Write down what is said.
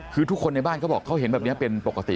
คือทุกคนในบ้านเขาบอกเขาเห็นแบบนี้เป็นปกติ